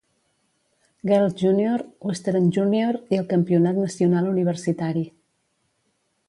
Girls' Junior, Western Junior i el Campionat Nacional Universitari.